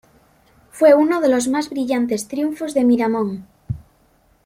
Fue uno de los más brillantes triunfos de Miramón.